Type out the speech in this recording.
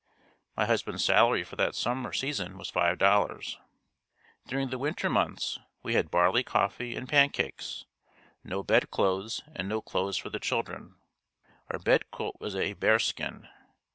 My husband's salary for that summer season was $5. During the winter months we had barley coffee and pancakes, no bed clothes and no clothes for the children. Our bed quilt was a bear skin.